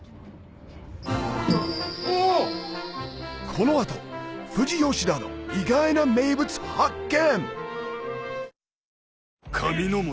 この後富士吉田の意外な名物発見！